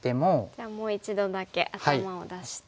じゃあもう一度だけ頭を出して。